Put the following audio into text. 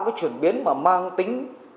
cái chuyển biến mà mang tính